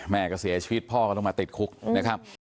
แม่ก็เสียชีวิตพ่อก็ต้องมาติดคุกนะครับ